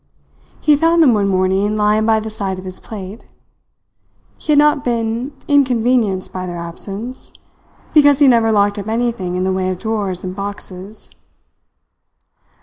He found them one morning lying by the side of his plate. He had not been inconvenienced by their absence, because he never locked up anything in the way of drawers and boxes.